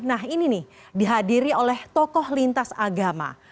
nah ini nih dihadiri oleh tokoh lintas agama